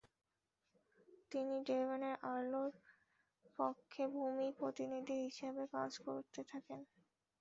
তিনি ডেভনের আর্লের পক্ষে ভূমি প্রতিনিধি হিসেবে কাজ করতে থাকেন।